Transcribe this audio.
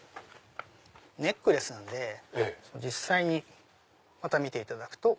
ネックレスなんで実際にまた見ていただくと。